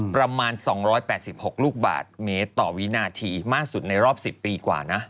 ประมาณ๒๘๖ลูกบาทเมตรต่อวินาทีมากสุดในรอบ๑๐ปีกว่านะ